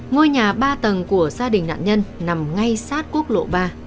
ngôi nhà ba tầng của gia đình nạn nhân nằm ngay sát quốc lộ ba